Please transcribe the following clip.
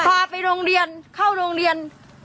พาไปโรงเรียนเข้าโรงเรียน